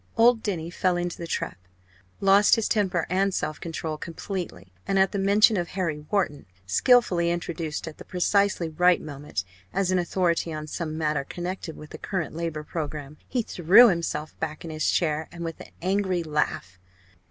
Old Denny fell into the trap, lost his temper and self control completely, and at a mention of Harry Wharton skilfully introduced at the precisely right moment as an authority on some matter connected with the current Labour programme, he threw himself back in his chair with an angry laugh.